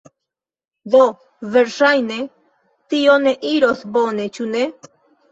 Do verŝajne, tio ne iros bone, ĉu ne?